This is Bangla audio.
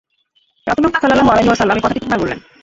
রাসূলুল্লাহ সাল্লাল্লাহু আলাইহি ওয়াসাল্লাম এ কথাটি তিন বার বললেন।